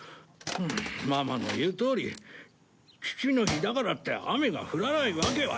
ママの言うとおり父の日だからって雨が降らないわけはないんだけど。